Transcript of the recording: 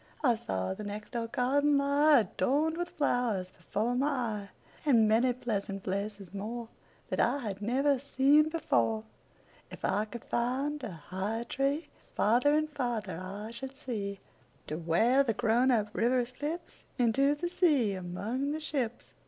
I saw the next door garden lie, Adorned with flowers, before my eye, And many pleasant places moreThat I had never seen before. If I could find a higher treeFarther and farther I should see, To where the grown up river slipsInto the sea among the ships.